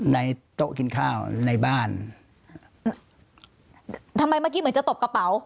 โต๊ะกินข้าวในบ้านทำไมเมื่อกี้เหมือนจะตบกระเป๋า